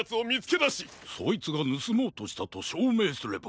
そいつがぬすもうとしたとしょうめいすれば。